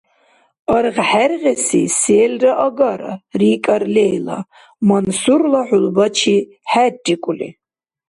— АргъхӀергъеси селра агара, — рикӀар Лейла, Мансурла хӀулбачи хӀеррикӀули.